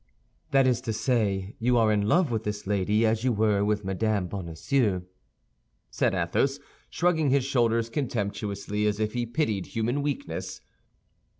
"That is to say, you are in love with this lady as you were with Madame Bonacieux," said Athos, shrugging his shoulders contemptuously, as if he pitied human weakness.